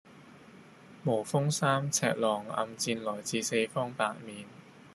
無風三尺浪，暗箭來自四方八面